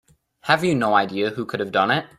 Have you no idea who could have done it?